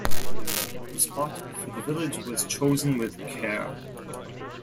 The spot for the village was chosen with care.